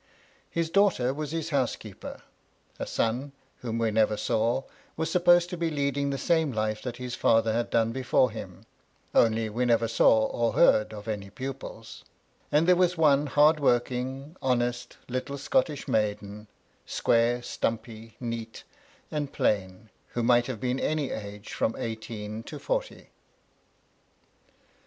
His daughter was his housekeeper: a son, whom we never saw, was supposed to be leading the same life that his father had done before him, only we never saw or heard of any pupils; and there was one hard working, honest BOUND THE SOFA. o Ettle Scottish maiden, square, stumpy, neat, and plain, who might have been any age from eighteen to forty.